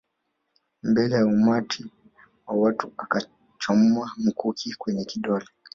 Mbele ya umati wa watu akamchoma mkuki kwenye kidole